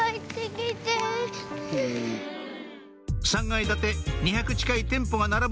３階建て２００近い店舗が並ぶ